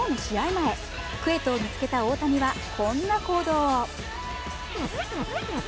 前クエトを見つけた大谷はこんな行動を。